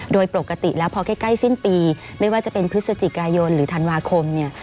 โดยปกติแล้วพอใกล้สิ้นปีไม่ว่าจะเป็นพฤศจิกายนหรือธันวาคมเนี่ย